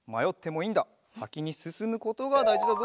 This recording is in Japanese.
さきにすすむことがだいじだぞ。